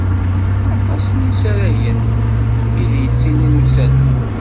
Aṭas n yisaragen i d-yettilin ussan-a.